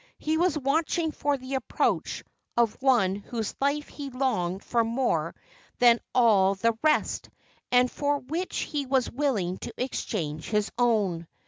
He was watching for the approach of one whose life he longed for more than all the rest, and for which he was willing to exchange his own.